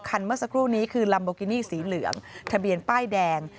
เมื่อสักครู่นี้คือลัมโบกินี่สีเหลืองทะเบียนป้ายแดง